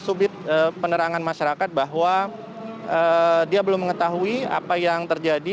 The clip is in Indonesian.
subit penerangan masyarakat bahwa dia belum mengetahui apa yang terjadi